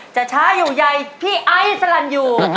จะช้าอยู่ใยพี่ไอสลันอยู่